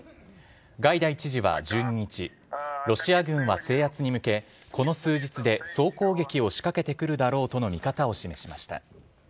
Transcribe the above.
ガイダイ知事は１２日、ロシア軍は制圧に向け、この数日で総攻撃を仕掛けてくるだろうとの見方を示しました。